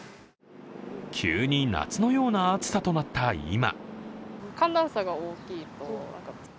急に夏のような暑さとなった今。